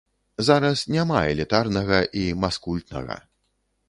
Зараз няма элітарнага і маскультнага.